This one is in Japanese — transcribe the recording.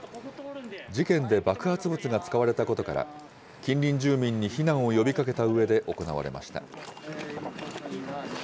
事件で爆発物が使われたことから、近隣住民に避難を呼びかけたうえで行われました。